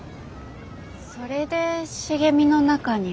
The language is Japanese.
それで茂みの中に？